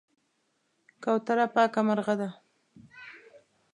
کوتره پاکه مرغه ده.